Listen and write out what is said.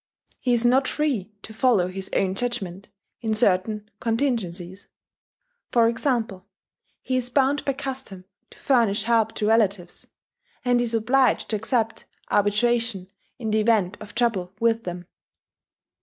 He is not free to follow his own judgment, in certain contingencies. For example, he is bound by custom to furnish help to relatives; and he is obliged to accept arbitration in the event of trouble with them.